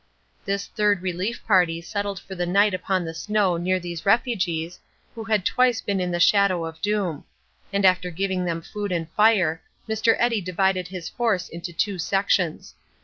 This Third Relief Party settled for the night upon the snow near these refugees, who had twice been in the shadow of doom; and after giving them food and fire, Mr. Eddy divided his force into two sections.